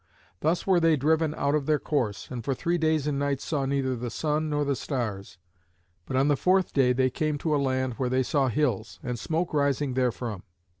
Thus were they driven out of their course, and for three days and nights saw neither the sun nor the stars. But on the fourth day they came to a land where they saw hills, and smoke rising therefrom.